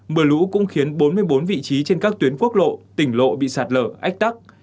mưa lũ cũng khiến bốn mươi bốn vị trí trên các tuyến quốc lộ tỉnh lộ bị sạt lở ách tắc